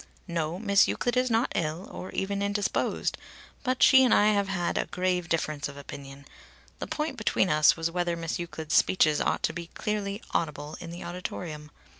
No; Miss Euclid is not ill or even indisposed. But she and I have had a grave difference of opinion. The point between us was whether Miss Euclid's speeches ought to be clearly audible in the auditorium.